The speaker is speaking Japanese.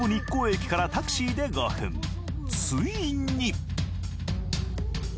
ついに！